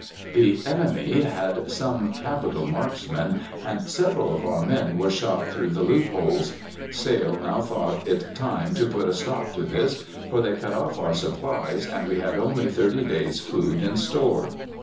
The enemy had some capital marksmen, and several of our men were shot through the loopholes. Sale now thought it time to put a stop to this, for they cut off our supplies and we had only thirty days' food in store.